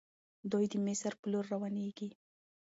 دوی د مصر په لور روانيږي.